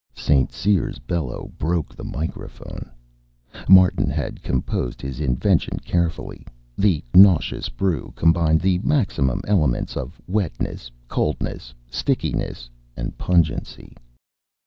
St. Cyr's bellow broke the microphone. Martin had composed his invention carefully. The nauseous brew combined the maximum elements of wetness, coldness, stickiness and pungency.